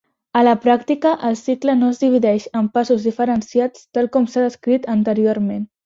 A la pràctica el cicle no es divideix en passos diferenciats tal com s'ha descrit anteriorment.